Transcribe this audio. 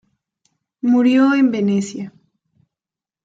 Murió en Venecia.